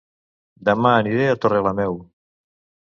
Dema aniré a Torrelameu